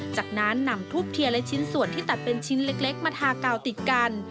จากนั้นนำทูบเทียนและชิ้นส่วนที่ตัดเป็นชิ้นเล็กมาทากาวติดกัน